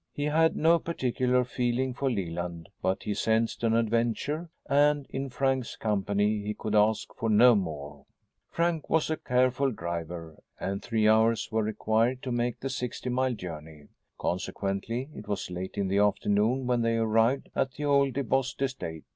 He had no particular feeling for Leland, but he sensed an adventure, and, in Frank's company, he could ask for no more. Frank was a careful driver, and three hours were required to make the sixty mile journey. Consequently, it was late in the afternoon when they arrived at the old DeBost estate.